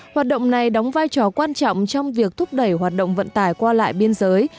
hoạt động này đóng vai trò quan trọng trong việc thúc đẩy hoạt động vận tải qua lại biên giới